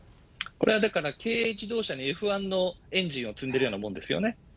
これはだから軽自動車にＦ１のエンジンを積んでいるようなものですよね。